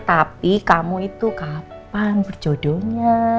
tapi kamu itu kapan berjodohnya